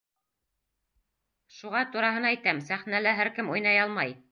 Шуға тураһын әйтәм: сәхнәлә һәр кем уйнай алмай.